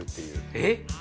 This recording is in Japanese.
えっ！？